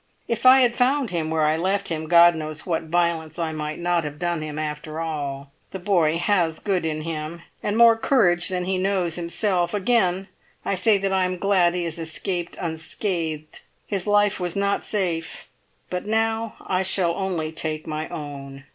If I had found him where I left him, God knows what violence I might not have done him after all. The boy has good in him, and more courage than he knows himself; again I say that I am glad he has escaped unscathed. His life was not safe, but now I shall only take my own.